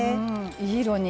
いい色に。